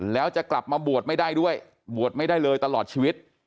แล้วจะกลับมาบวชไม่ได้ด้วยบวชไม่ได้เลยตลอดชีวิต